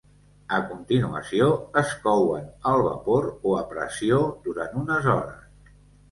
A continuació, es couen al vapor o a pressió durant unes hores.